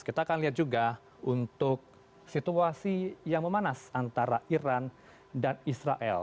kita akan lihat juga untuk situasi yang memanas antara iran dan israel